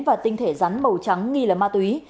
và tinh thể rắn màu trắng nghi là ma túy